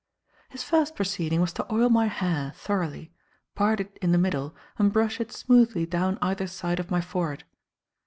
His first proceeding was to oil my hair thoroughly, part it in the middle and brush it smoothly down either side of my forehead.